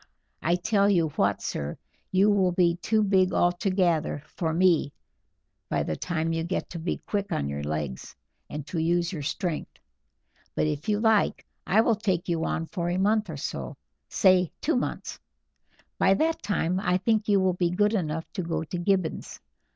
I tell you what, sir; you will be too big altogether for me by the time you get to be quick on your legs, and to use your strength, but if you like I will take you on for a month or so say, two months; by that time I think you will be good enough to go to Gibbons.